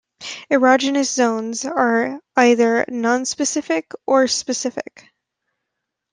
Erogenous zones are either nonspecific or specific.